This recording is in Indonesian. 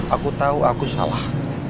aku tahu aku salah